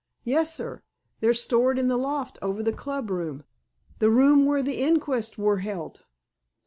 "Yes, sir. They're stored in the loft over the club room—the room where the inquest wur held."